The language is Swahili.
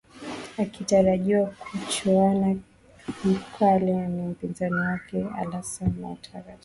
akitarajiwa kuchuana vikali na mpinzani wake alasan watera